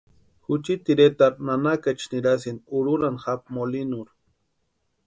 Juchiti iretarhu nanakeecha nirasïnti úrhurhani japu molinurhu.